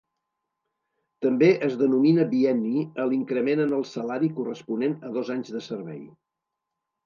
També es denomina bienni a l'increment en el salari corresponent a dos anys de servei.